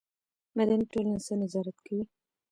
مدني ټولنه څه نظارت کوي؟